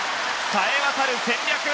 冴え渡る戦略。